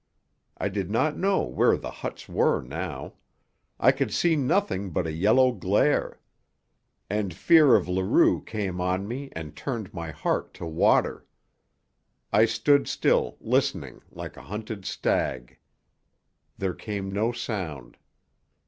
I did not know where the huts were now. I could see nothing but a yellow glare. And fear of Leroux came on me and turned my heart to water. I stood still, listening, like a hunted stag. There came no sound.